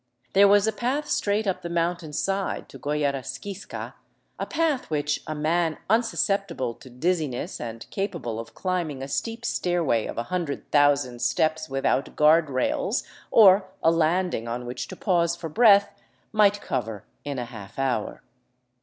There was a path straight up the mountain side to Goyllarisquisca, a path which a man unsusceptible to dizziness, and capable of climbing a steep stair way of a hundred thousand steps without guard rails or a landing on which to pause for breath, might cover in a half hour.